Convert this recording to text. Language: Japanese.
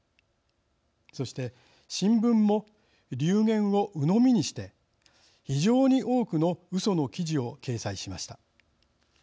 そして、新聞も流言をうのみにして非常に多くのうその記事を掲載しました。